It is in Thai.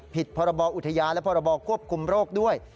ผิดพรบอุทยานและพรบควบคุมโรคด้วย